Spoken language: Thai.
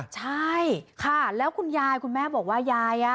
ใช่ค่ะแล้วคุณยายคุณแม่บอกว่ายาย